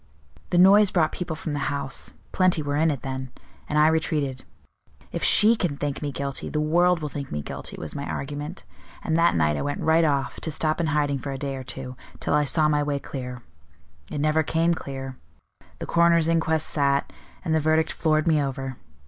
The noise brought people from the house plenty were in it then and I retreated. 'If she can think me guilty, the world will think me guilty,' was my argument; and that night I went right off, to stop in hiding for a day or two, till I saw my way clear. It never came clear; the coroner's inquest sat, and the verdict floored me over.